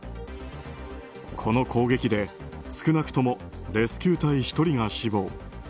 この攻撃で少なくともレスキュー隊１人が死亡。